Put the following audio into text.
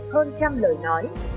hơn trăm lời nói